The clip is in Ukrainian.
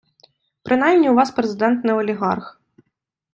Принаймні у Вас Президент не олігарх.